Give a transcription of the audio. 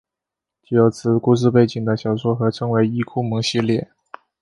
具有此故事背景的小说合称为伊库盟系列。